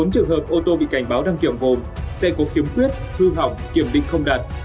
bốn trường hợp ô tô bị cảnh báo đăng kiểm gồm xe có khiếm khuyết hư hỏng kiểm định không đạt